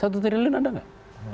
satu triliun ada nggak